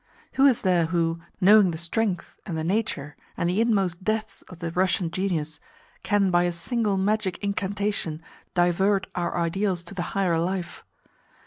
Who is there who, knowing the strength and the nature and the inmost depths of the Russian genius, can by a single magic incantation divert our ideals to the higher life?